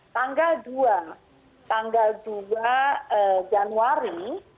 tanggal dua januari